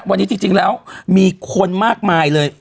วันนี้จริงแล้วมีคนมากมายเลย